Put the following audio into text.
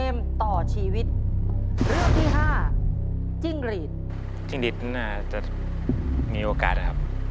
ไม่มีโอกาสนะครับ